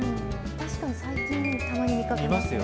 確かに最近、たまに見かけますよね。